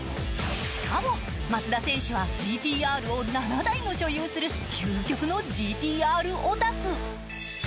しかも松田選手はＧＴ−Ｒを７台も所有する究極のＧＴ−Ｒオタク。